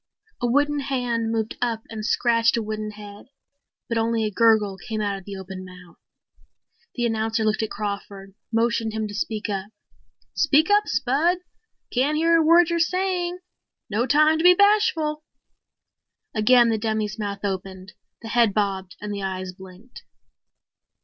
A wooden hand moved up and scratched a wooden head. But only a gurgle came out of the open mouth! The announcer looked at Crawford, motioned him to speed up. "Speak up, Spud. Can't hear a word you're saying. No time to be bashful." Again the dummy's mouth opened, the head bobbed and the eyes blinked.